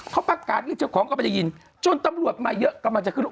เขาประกาศเรียกเจ้าของก็ไม่ได้ยินจนตำรวจมาเยอะกำลังจะขึ้นรถ